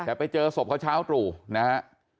แต่ไปเจอศพเขาเช้าตรู่นะฮะ